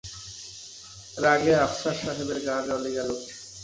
রাগে আফসার সাহেবের গা জ্বলে গেল।